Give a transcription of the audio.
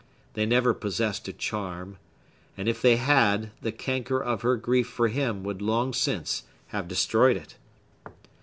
They never possessed a charm; and if they had, the canker of her grief for him would long since have destroyed it.